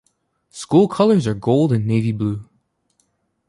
School colors are Gold and Navy Blue.